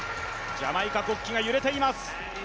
ジャマイカ国旗が揺れています。